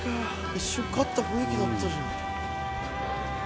一瞬勝った雰囲気だったじゃん。